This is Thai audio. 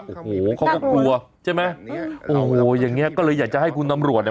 โอ้โหเขาก็กลัวใช่ไหมโอ้โหอย่างเงี้ยก็เลยอยากจะให้คุณตำรวจอ่ะ